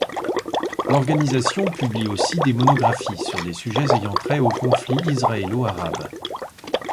L'organisation publie aussi des monographies sur des sujets ayant trait au conflit israélo-arabe.